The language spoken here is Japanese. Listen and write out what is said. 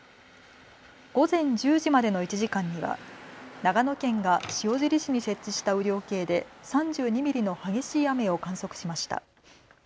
午前１０時までの１時間には長野県が塩尻市に設置した雨量計で３２ミリの激しい雨を観測しました。